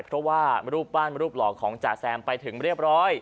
เพราะว่ารูปปั้นรูปหล่อของจ๋าแซมไปถึงเรียบร้อย